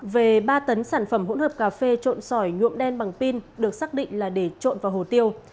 về ba tấn sản phẩm hỗn hợp cà phê trộn sỏi nhuộm đen bằng pin được xác định là để trộn vào hồ tiêu